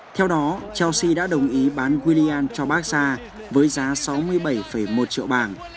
theo đó chelsea đã đồng ý bán willian cho baxa với giá sáu mươi bảy một triệu bảng